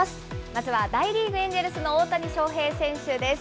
まずは大リーグ・エンジェルスの大谷翔平選手です。